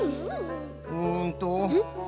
うんと。